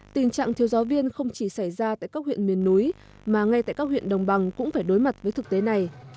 tình trạng thiếu giáo viên không chỉ xảy ra tại các huyện miền núi mà ngay tại các huyện đồng bằng cũng phải đối mặt với thực tế này